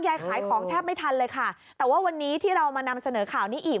ยายขายของแทบไม่ทันเลยค่ะแต่ว่าวันนี้ที่เรามานำเสนอข่าวนี้อีก